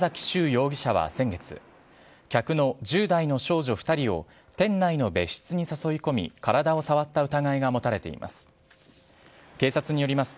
容疑者は先月客の１０代の少女２人を店内の別室に誘い込み体を触った疑いが持たれています。